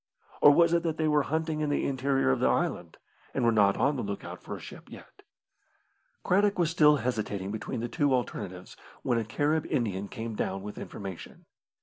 Or was it that they were hunting in the interior of the island, and were not on the look out for a ship yet? Craddock was still hesitating between the two alternatives, when a Carib Indian came down with information.